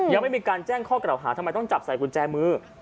ยังไม่มีการแจ้งข้อกล่าวหาทำไมต้องจับใส่กุญแจมือ